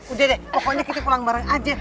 udah deh pokoknya kita pulang bareng aja